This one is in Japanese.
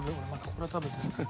これ食べてない。